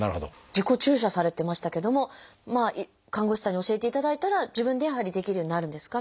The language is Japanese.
自己注射されてましたけども看護師さんに教えていただいたら自分でやはりできるようになるんですか？